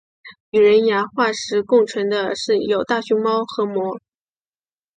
与人牙化石共存的有大熊猫和貘。